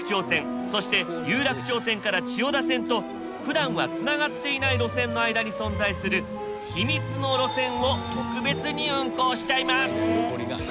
そして有楽町線から千代田線とふだんはつながっていない路線の間に存在する秘密の路線を特別に運行しちゃいます。